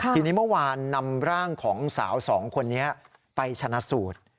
ทีนี้เมื่อวานนำร่างของสาวสองคนนี้ไปชนะสูตร